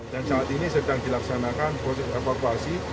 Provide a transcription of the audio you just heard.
saat ini sedang dilaksanakan proses evakuasi